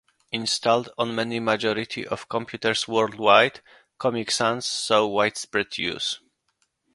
Installed on the majority of computers worldwide, Comic Sans saw widespread use.